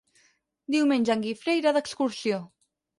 Diumenge en Guifré irà d'excursió.